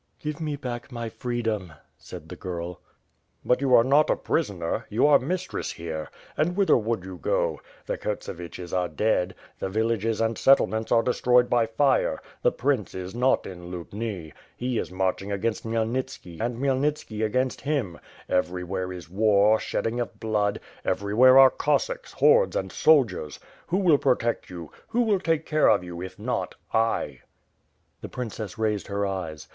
"Give me back my freedom,'' said the girl. "But you are not a prisoner? You are mistress here. And whither would you go? The Kurtseviches are dead; the vill ages and settlements are destroyed by fire; the prince is not in Luhni. He is marching against Khmyelnitski and Khmy elnitski against him. Everywhere is war, shedding oi blood, everywhere are Cossacks, hordes and soldiers. Who will pro tect you? Who take care of you, if not I?" The ^^rincess raised her eyes.